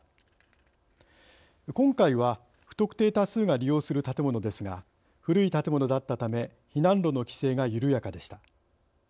今回は不特定多数が利用する建物ですが古い建物だったため避難路の規制が緩やかでした。